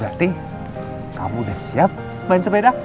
berarti kamu udah siap main sepeda